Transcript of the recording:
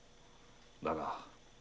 だが。